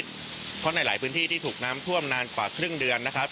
เพราะในหลายพื้นที่ที่ถูกน้ำท่วมนานกว่าครึ่งเดือนนะครับ